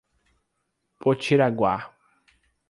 Potiraguá